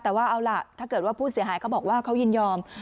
แต่ว่าเอาล่ะถ้าเกิดว่าผู้เสียหายเขาบอกว่าเขายินยอม